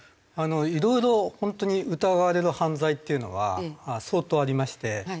いろいろ本当に疑われる犯罪っていうのは相当ありまして。